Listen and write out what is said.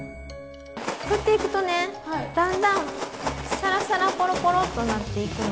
ふっていくとねだんだんサラサラコロコロッとなっていくの。